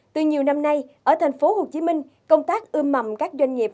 từ nhiều năm nay ở tp hcm công tác ưm mầm các doanh nghiệp